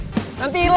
tunggu nanti aku nunggu